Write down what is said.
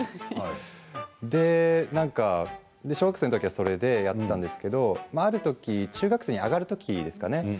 小学生のときはそれでやっていたんですけどあるとき、中学生に上がるときですかね。